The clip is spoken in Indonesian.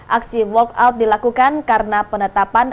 aksi walkout dilakukan karena penetapan